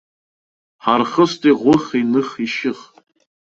Ҳархыст иӷәых, иных, ишьых.